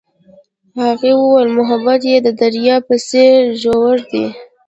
هغې وویل محبت یې د دریا په څېر ژور دی.